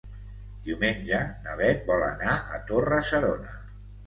Diumenge na Bet vol anar a Torre-serona.